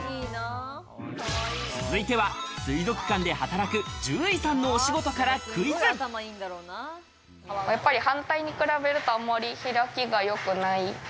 続いては水族館で働く獣医さんのお仕事からクイズやっぱり反対に比べると、あんまり開きがよくない。